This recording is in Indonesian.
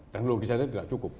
teknologi saja tidak cukup